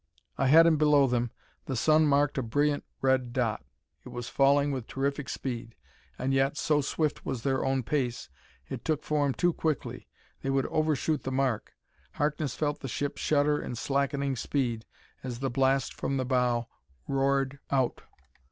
Ahead and below them the sun marked a brilliant red dot. It was falling with terrific speed, and yet, so swift was their own pace, it took form too quickly: they would overshoot the mark.... Harkness felt the ship shudder in slackening speed as the blast from the bow roared out.